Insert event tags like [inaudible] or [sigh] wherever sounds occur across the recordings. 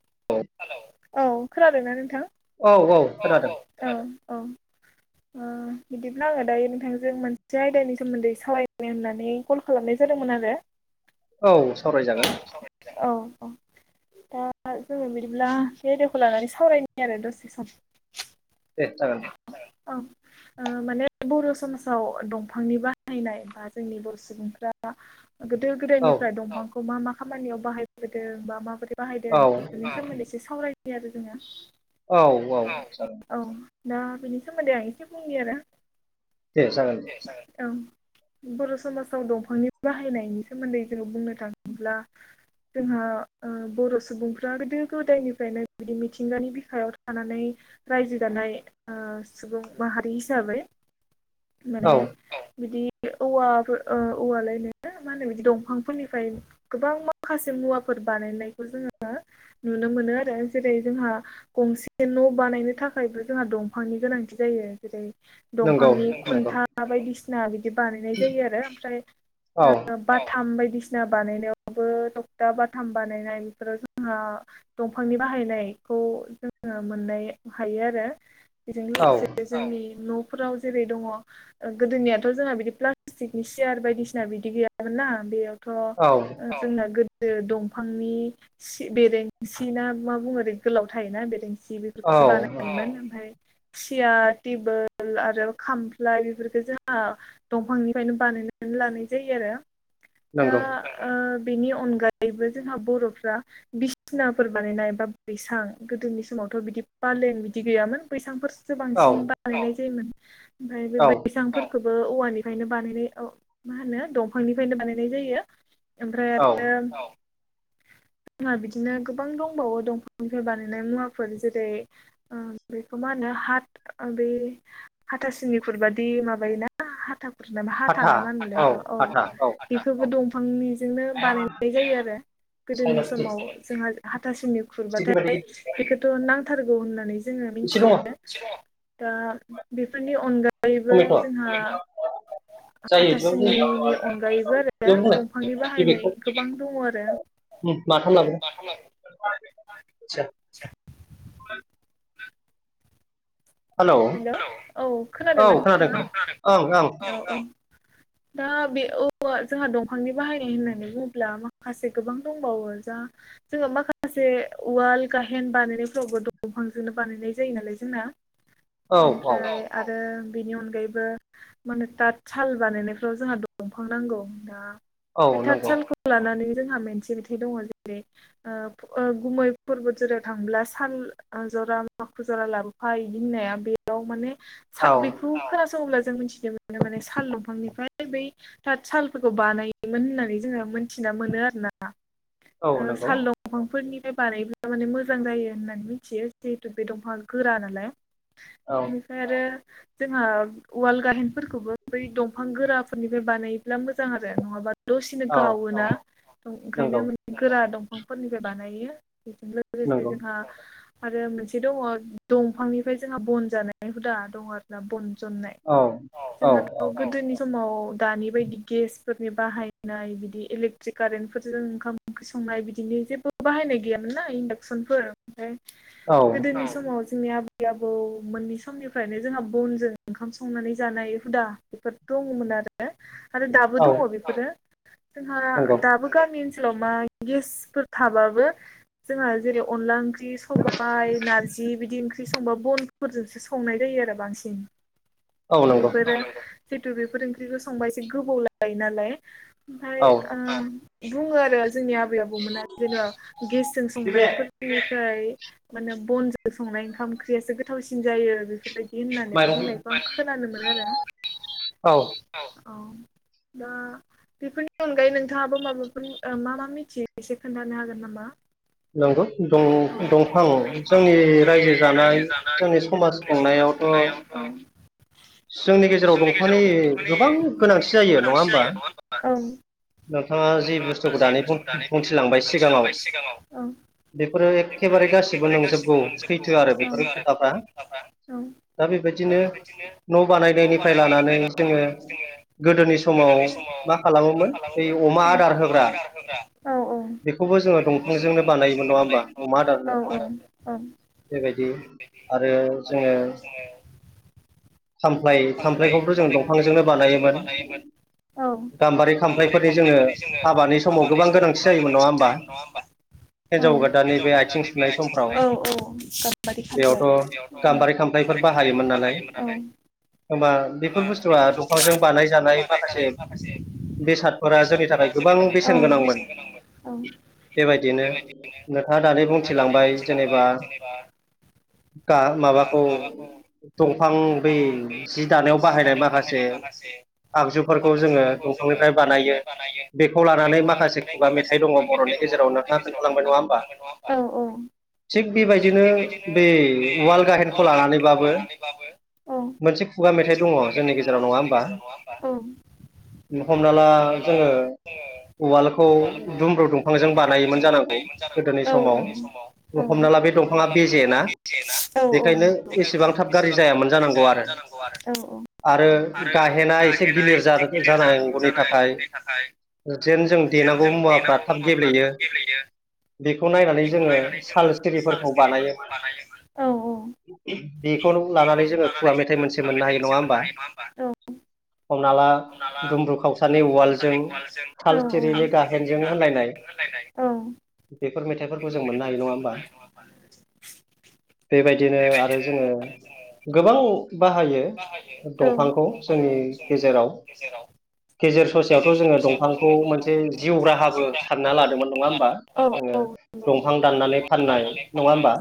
[unintelligible] औ खोनादोंना नोंथां? औ खोनादों औ औ ओ बिदिब्ला आङो दायो नोंथांजों मोनसे आयदानि सोमोन्दै सालायनो होननानै कल खालामनाय जा दोंमोन आरो। औ सावरायजागोन। दा जोङो बिदिब्ला बे आयदाखौ लानानै सावरायनि आरो दसे सम। दे जागोन दे। औ ओ माने बर' समाजाव दंफांनि बाहायनाय बा जोंनि बर' सुबुंफ्रा गोदो औ गोदायनिफ्राय दंफांखौ मा मा खामानियाव बाहायबोदों बा माबोरै बाहायदों औ बेफोरनि सोमोन्दै एसे सावरायनि आरो जोङो। औ औ जागोन। औ दा बिनि सोमोन्दै आं एसे बुंनि आरो। दे जागोन‌ दे। औ बर' समाजाव दंफांनि बाहायनायनि सोमोन्दै जोङो बुंनो थाङोब्ला जोंहा ओ बर' सुबुंफ्रा गोदो गोदायनिफ्रायनो बिदि मिथिंगानि बिखायाव थानानै रायजो जानाय ओ सुबुं माहारि हिसाबै माने औ बिदि औवाफोर ओ औवालायनो मा होनो बिदि दंफांफोरनिफ्राय गोबां माखासे मुवाफोर बानायनायखौ जोङो नुनो मोनो आरो जेरै जोंहा गंसे न' बानायनो थाखायबो जोंहा दंफांनि गोनांथि जायो जेरै नंगौ दंफांनि नंगौ खुन्था बायदिसिना बिदि बानायनाय जायो‌ आरो ओमफ्राय औ ओ बाथाम‌ बाय दिसिना बानायनायावबो थखथा बाथाम बानायनाय इफोराव जोंहा दंफांनि बाहायनाय बेखौ जोङो मोननो हायो आरो बेजों औ लोगोसे जोंनि न' फोराव जेरै दङ गोदोनियाथ' जोंहा बिदि प्लास्टिकनि सियार बायदिसिना बिदि गैयामोन ना बे औ थ' जोंना गो दो दंफांनि सि बेरेंसि ना मा ओरै गोलाव थायोना बेरें सि औ बेफोरखौसो बानायोन ओमफ्राय सियार टेबोल आरो खामफ्लाय बेफोरखो जोंहा दंफांनिफ्रायनो बानायनो। लानाय जायो आरो। दा नंगौ ओ बिनि अनगायैबो जोंहा बर'फ्रा बिसनाफोर बानायनाय बा बैसां गोदोनि समाव थ' बिदि पालें बिदि गैयामोन बैसांफोरसो औ बांसिन बानायनाय जायोमोन। ओमफाय बे औ बैसांफोर खौबो औवानिफायनो बानायनाय अ मा होनो दंफांनिफायनो बानायनाय जायो। ओमफ्राय औ आरो जोंहा बिदिनो गोबां दंबावो दंफांनिफ्राय बानायनाय मुवाफोर जेरै ओ। बेखौ मा होनो हाद ओ बे हाथासुनि खुरबादि माबायोना हाथा हाथा नामा होनोलाय औ बेखौबो दंफांनि। जोंनो बानायनाय जायो आरो गोदोनि सायनापथि समाव जोंहा। हाथासुनि फिथिख्रि बायदि खुरबाथाय बेखौथ' नांथारगौ होननानै जोङो एसे दङ मिनथियो। दा बेफोरनि अनगायैबो टमेट' जोंहा। जायो हाथा इदिबाबो जायो सुनिनि अनगायैबो बेयावनो आरो दंफांनि होलाय बाहायनाय बेगखौ गोबां दङ आरो। [unintelligible] हेलौ औ औ खोनादोंमोन खोनादों ओं ओं नोंथाङा औ औ। दा बे औ जोंहा दंफांनि बाहायनाय होननानै बुङोब्ला माखासे गोबां दंबावो जा। जोङो माखासे उवाल गाहेन बानायनायफोरावबो दंफांजोंनो बानायनाय जायो नालाय जोंना। औ ओमफ्राय आरो। बेनि अनगायैबो माने तात साल बानायनायफ्राव जोंहा दंफां नांगौ दा। औ बे थाथ नंगौ सालखौ लानानै। जोंहा मोनसे मेथाय दङ जेरै ओ गुमै परबद जरायाव थाङोब्ला सान ओ जरा माखु जरा लाबोफा इदि होननाया बेयाव माने औ बेखौ खोनासङोब्ला जों मिथिनो मोनो माने साल दफांनिफ्राय बै ताथ सालफोरखौ बानायोमोनहोननानै जोङो मिनथि नामोनो आरो ना ओ नंगौ साल दंफां फोरनि फाइ बानायब्ला माने मोजां जायो होननानै मिथियो जिहेतु बे दंफां गोरा नालाय। औ इनिफाय आरो जोंहा उवाल गाहेनफोरखौबो बै दंफां गोराफोरनिफ्राय बानायोब्ला मोजां आरो नङाबा। दसेनो औ गावोना औ नंगौ ओंखायनो गोरा दंफांफोरनिफ्राय बानायो। बेजों लोगोसे नंगौ जोंहा आरो मोनसे दङ दंफांनि ओमफ्राय जोंहा बन जानाय हुदा दङ आरोना बन जननाय औ औ जोंहाथ' गोदोनि समाव दानि बायदि गेस फोरनि बाहायनाय बिदि इलेकट्रिक कारेन्टफोरजों ओंखाम ओंख्रि संनाय बिदिनि जेबो बाहायनाय गैया। ना इनडाकसनफोर ओमफाय औ गोदोनि समाव जोंनि आब आबै आबौ मोननै समनिफ्रायनो जोंहा बनजों ओंखाम संनानै जानाय हुदा बेफोर दङमोन आरो। आरो दाबो औ दङ बिफोरो जोंहा नंगौ दाबो गामि ओन सोलाव मा गेसफोर थाबाबो जोंहा जेरै अनला ओं ख्रि सबाय नारजि बिदि ओंख्रि संबा बनफोरजोंसो संनाय जायो आरो बांसिन। औ नंगौ बेफोरो जितु बेफोर ओंख्रिखौ संबा एसे गोबाव लायो नालाय। ओमफाय औ ओ बुंङो आरो जोंनि आबै आबौमोना जेनेबा गेसजों बे संनायफोरनिफ्राय। माने बनजों संनाय ओंखाम ओंख्रियासो गोथावसिन जायो बेफोरबायदि होननानै माइरं बुंनायखौ आं। मोनो‌ औ आरो औ दा बेफोरनि अनगायै नोंथाङाबो माबाफोर ओ मा मा मिथियो एसे खोन्थानो हागोन नामा। नंगौ औ दं-दंफां जोंनि रायजो जानाय जोंनि समाज खुंनाय समाज खुंनायाव जोंनि गेजेराव दंफांनि गोबां गोनांथि जायो नङा ओमबा? औ नोंथाङा जि बुस्थुखौ दानि बुं-बुंथिलांबाय सिगाङाव बेफोरो बेफोरो एखेबारे गासिबो एखेबारे नंजोबगौ गासिबो नोंजोबगौ सैथो आरो बेफोर सैथो खोथाफ्रा आरो। दा बेबायदिनो न' बानायनायनिफ्राय लानानै जोङो गोदोनि समाव मा खालामोमोन बे अमा आदार होग्रा बेखौबो जोङो बेखौबो जोङो दंफांजोंनो बानायोमोन नङा दंफांजोंनो होमबा बानायो अमा नङा आदार होनो थाखाय होमबा? बेबायदि आरो जोङो [inaudible] खामफ्लाय खामफ्लायखौथ' जों दंफांजोंनो बानायोमोन। औ गाम्बारि खामफ्लायफोरनि जोङो हाबानि समाव गोबां गोनांथि जायोमोन नङा होमबा? औ हिनजाव गोदाननि बे बाट आथिं सुनाय समफ्राव औ औ गाम्बारि खामफ्लाय बेयावथ' गाम्बारि खामफ्लाय फोर बाहायोमोन नालाय। होमबा बेफोर बुस्थुआ दंफांजों बानायजानाय माखासे बेसादफोरा जोंनि थाखाय गोबां बेसेन गोनांमोन। बेबायदिनो नोंथाङा दानि बुंथिलांबाय जेनेबा माबाखौ दंफां बै जि दानायाव बाहायनाय माखासे आगजुफोरखौ जोङो दंफांनिफ्राय बानायो बेखौ लानानै माखासे खुगा मेथाइ दङ बर'नि गेजे जेराव नोंथाङा खोन्थालांबाय नङा होमबा? औ औ थिग बेबायदिनो बे उवाल गाहेनखौ लानानैबाबो खुगा मेथाइ मोनसे दङ खुगा जोंनि मेथाइ गेजेराव दङो नङा जोंनि होमबा गेजेराव नङा होमबा? हमना ला जोङो उवालखौ दुमब्रु दंफांजों बानायोमोन जानांगौ गोदोनि समाव हमना ला बे दंफाङा हमला बे बेजे दंफाङा ना बेबदियोना बेखायनो एसेबां बेनिखायनो गाज्रि बेसेबां थाब जायामोन गाज्रि जानांगौ आरो जायामोन जानांगौ आरो। आरो गाहेना एसे गाहेनाय गिलिर एसे गिलिर जानाय जानांगौनि थाखाय जानांगौनि थाखाय जेन जों जेन देनांगौ जों मुवाफ्रा देनांगौ मुवाफ्रा गेब्लेयो थाब गेब्लेयो। बेखौ नायनानै बेखौ जोङो नायनानै साल जोङो साल सिरिफोरखौ सिरिफोरखौ बानायोमोन। बेखौनो लानानै जोङो खुवा मेथाइ मोनसे मोननो हायो नङा होमबा? हमना ला दुम्ब्रु खावसानि उवालजों थाल औ औ थिरिनि औ गाहेनजों होनलायनाय औ। बेफोर मेथाइफोरखौ जों मोननो हायो नङा होमबा? बेबायदिनो आरो जोङो गोबां बाहायो औ दंफांखौ जोंनि गेजेराव गेजेर ससेयाव जोङो दंफांखौ मोनसे जिउ राहाबो सानना लादोंमोन नङा होमबा औ जोङो नंगौ औ दंफां दाननानै फाननाय नङा होमबा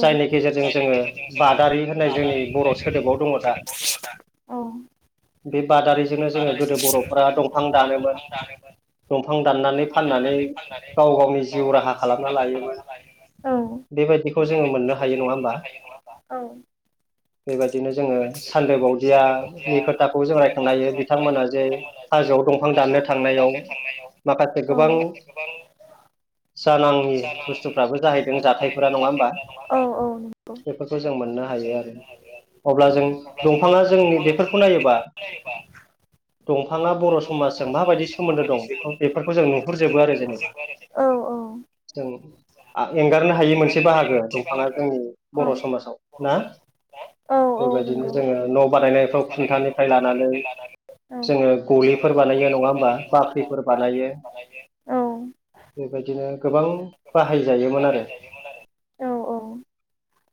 जायनि गेजेरजों जोङो बादारि होननाय जोंनि बर' सोदोबाव दङो दा बे बादारिजोंनो जोङो गोदो गोदो बर'फ्रा दंफां दानोमोन। दंफां दाननानै फाननानै गाव गावनि जिउ राहा खालामना लायोमोन। औ बेबायदिखौ जोङो मोननो हायो नङा होमबा? औ। बेबायदिनो जोङो सानदो बावदियानि खोथाखौ जों रायखांनो हायो बिथांमोना जे हाजोआव दंफां दाननो थांनायाव माखासे औ गोबां जानाङि बुस्थुफ्राबो जाहैदों जाथायफोरा नङा होमबा नङा होमबा औ औ नंगौ बेफोरखौ जों मोननो हायो आरो। अब्ला जों दंफाङा जोंनि बेफोरखौ नायोबा दंफाङा बर' समाजजों माबायदि सोमोन्दो दं बेखौ बेफोरखौ जों नुहुरजोबो आरो जेनेबा। औ। जों आं एंगारनो हायि मोनसे बाहागो दंफाङा जोंनि औ बर' समाजाव ना औ बेबायदिनो नंगौ जोङो न' बानायनायफ्राव खुन्थानिफ्राय लानानै औ जोङो जोङो गलिफोर बानायो नङा गोलिफोर होमबा बानाय नङा बाख्रिफोर हा बानायो बानाय औ। बेबायदिनो गोबां बाहायजायोमोन आरो। [inaudible] औ [inaudible]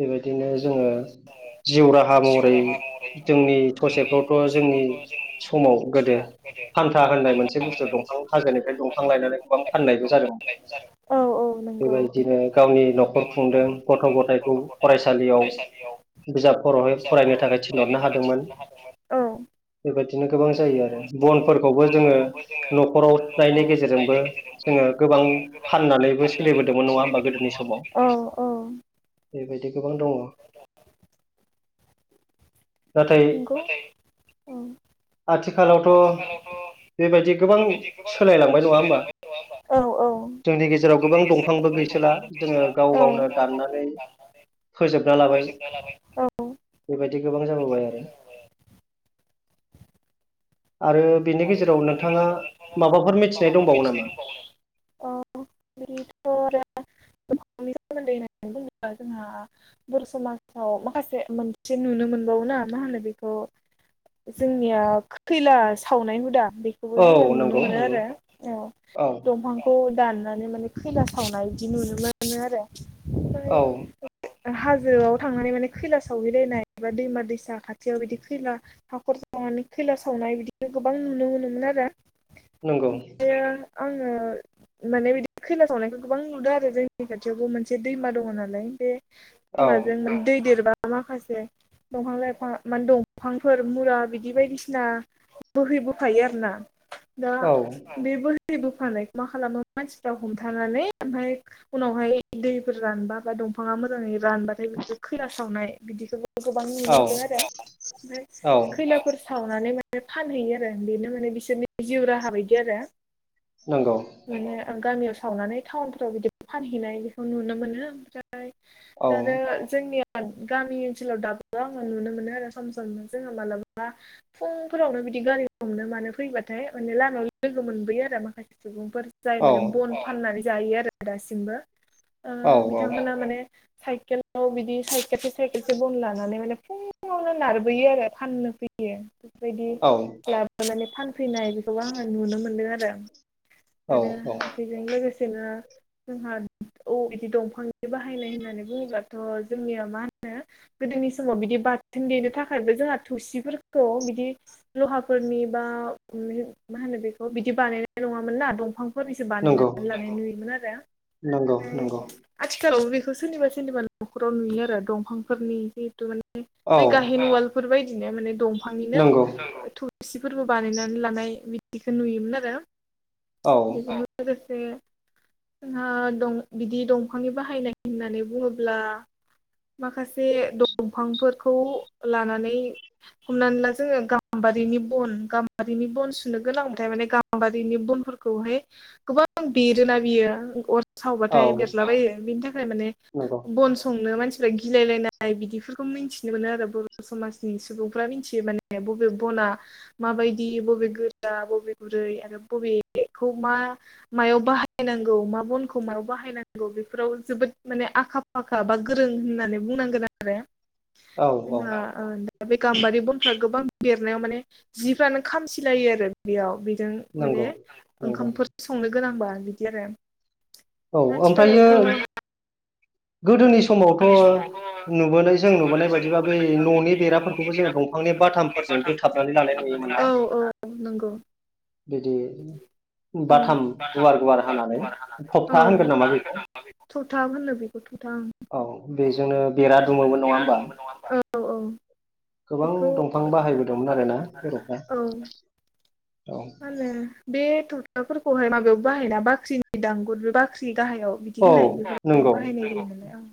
बेबायदिनो जोङो जिउ राहा महरै जोंनि ससेफ्रावथ' जोंनि समाव गोदो फाल्था होननाय मोनसे बुस्थु दंफां हाजोनिफ्राय दंफां लायनानै गोबां फाननायबो जादोंमोन। औ औ नंगौ बेबायदिनो गावनि न'खर खुंदों गथ' गथायखौ फरायसालियाव बिजाबफोरावहाय फरायनो थाखाय थिनहरनो हादोंमोन। औ बेबायदि नो गोबां जायो आरो बनफोरखौबो जोङो न'खराव गायनाय गेजेरजोंबो जोङो गोबां फाननानैबो सोलिबोदोंमोन नङा होनबा गोदोनि समाव औ बेबायदि गोबां दङ। [inaudible] नंगौ औ। [inaudible] आथिखालावथ' आथिखालावथ' बेबायदि गोबां सोलायलांबाय नङा होमबा? औ जोंनि गेजेराव गोबां दंफांबो गै सोला जोङो गाव गावनो दाननानै फोजोबना लाबाय। औ बेबायदि गोबां जाबोबाय आरो [inaudible] आरो बिनि गेजेराव नोंथाङा माबाफोर मिथिनाय दंबावो नामा? अ [inaudible] जोंहा जोंहा बर' समाजाव माखासे मोनसे नुनो मोनबावोना मा होनो बेखौ। जोंनिया खैला सावनाय हुदा बेखौबो औ जोङो नुनो नंगौ मोनो नंगौ आरो औ औ दंफांखौ दाननानै माने खैला सावनाय बिदि नुनो मोनो आरो। औ। ओमफ्राय हाजोआव थांनानै माने खैला सावहैलायनाय बा दैमा दैसा खाथियाव बिदि खैला हाखर जावनानै खैला सावनाय बिदि गोबां नुनो मोनोमोन आरो। नंगौ। ओमफ्रायो आङो माने बिदि खैला सावनायखौ गोबां नुदों आरो जोंनि खाथियावबो मोनसे दैमा दंङ नालाय बे औ दैमाजों दै देरबा माखासे दंफां-लाइफां माने दंफांफोर मुरा बिदि बायदिसिना बोहै बोफायो आरोना दा औ बे बोहै बो फानाय मा खालामो मानसिफ्रा हमथानानै ओमफ्राय उनावहाय दैफोर रानबा बा दंफाङा मोजाङै रानबाथाय खैला सावनाय बिदिखौ गोबां नुनो औ मोनदों आरो ओमफ्राय औ खैलाफोर सावनानै माने फानहैयो आरो बेनो माने बिसोरनि जिउ राहा बायदि आरो। नंगौ। माने गामियाव सावनानै टाउनफोराव बिदि फानहैनाय बेखौ नुनो मोनो। ओमफ्राय [inaudible] औ दा आरो जोंनियाव गामि ओनसोलाव दाबो आङो नुनो मोनो आरो सम सम। जोङो मालाबा फुंफोरावनो बिदि गारि हमनो मानो फैबाथाय माने लामायाव लोगो मोनबोयो आरो माखासे सुबुं फोर जाय औ माने बन फाननानै जायो आरो दासिमबो औ साइकेलाव बिदि साइखेलसे साइखेलसे बन लानानै माने फुङावनो नारबोयो आरो फाननो फैयो बेफोरबायदि औ लाबोनानै फैनाय गोबाङानो नुनो मोनदों आरो औ आरो बेजों लोगोसे दिनो जोंहा औ बिदि दंफांनि बाहायनाय होननानै बुङोबथ' जोंनिया मा होनो गोदोनि समाव बिदि बा बाथोन देनो थाखायबो जोंहा थौसिफोरखौ बिदि लहाफोरनि बा मा होनो बेखौ बिदि बानायनाय नङामोनना दंफांफोरनिसो नंगौ बानायनानै लानाय नुयोमोन आरो नंगौ नंगौ ओमफ्राय आथि [inaudible] बेखौ सोरनिबा सोरनिबा न'खराव नुयो आरो दंफांफोरनि जिहेतु माने औ बै गायहेन उवाल बेफोरबायदिनो माने दंफांनिनो नंगौ थु सिफोरबो बानायनानै लानाय बिदिखौ नुयोमोन आरो औ [inaudible] जे जोंहा दं बिदि दंफांनि बाहायनाय होननानै बुङोब्ला माखासे दंफांफोरखौ लानानै हमनानै ला जोङो गाम बारिनि बन गामबारिनि बन सुनो गोनांबाथाय माने गाम्बारिनि बनफोर खौहाय गोबां बेरोना बियो औ सावबाथाय बेरलाबायो बिनि थाखाय माने नंगौ बन संनो मानसि गिलायलायनाय बिदिफोरखौ मिथिनो मोनो आरो बर' समाजनि सुबुंफ्रा मिथियो माने बबे बना बा माबायदि बबे गोरा बबे गुरै आरो बबे खौ मा मायाव बाहायनांगौ मा बनखौ मायाव बाहायनांगौ बेफोराव जोबोद माने आखा फाखा बा गोरों होननानै बुंनांगोन आरो। औ औ जोंहा ओ बे गामबारि बनफोरा गोबां बेरनायाव माने जिफ्रानो खामसिलायो आरो बेयाव बेजों माने नंगौ नंगौ ओंखामफोर संनो गोनांबा बिदि आरो। औ ओमफ्रायो आथिखालावथ' गोदोनि स समावथ' नुबोनाय जों नुबोनाय बायदिबा बै न'नि बेराफोरखौबो जोङो दंफांनि बाथामफोर औ औ नंगौ। बिदि औ बाथाम गुवार गुवार हानानै औ थबथा होनगोन नामा बेखौ थथा होनो बेखौ थथा ओं औ बेजोंनो बेरा दुमोमोन नङा होमबा? औ औ गोबां बेखौ दंफां बाहायबोदोंमोन आरो ना बर'फ्रा। औ औ मा होनो बे थक्टाफोरखौहाय माबायाव बाहायना बाख्रिनि दांगुर बे बाख्रि गाहायाव बिदि औ होननाय बेबो नंगौ बाहायनाय जायो नालाय